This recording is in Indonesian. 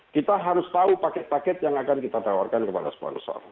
kita harus tahu paket paket yang akan kita tawarkan kepada sponsor